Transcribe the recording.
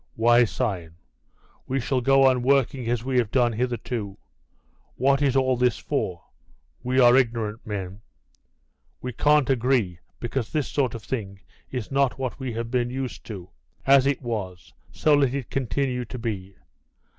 "Why sign? We shall go on working as we have done hitherto. What is all this for? We are ignorant men." "We can't agree, because this sort of thing is not what we have been used to. As it was, so let it continue to be.